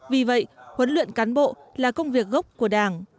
vì vậy huấn luyện cán bộ là công việc gốc của đảng